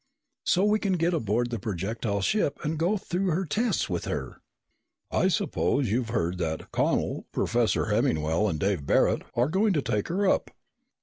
"So we can get aboard the projectile ship and go through her tests with her." "I suppose you've heard that Connel, Professor Hemmingwell, and Dave Barret are going to take her up."